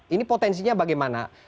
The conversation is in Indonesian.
ini potensinya bagaimana